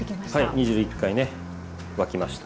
煮汁１回ね沸きました。